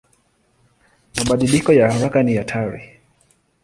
Mabadiliko ya haraka ni hatari.